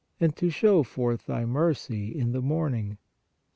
. and to show forth Thy mercy in the morning" (Ps.